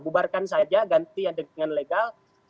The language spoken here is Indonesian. bubarkan saja ganti dengan legal